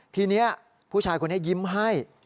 ทีนี้ผู้ชายคนนี้ยิ้มให้